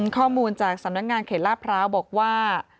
ข้อมูลจากสำนักงานเขตลาดพร้าวบอกว่า